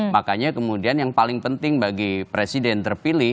makanya kemudian yang paling penting bagi presiden terpilih